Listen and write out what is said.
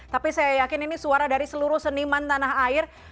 tapi saya yakin ini suara dari seluruh seniman tanah air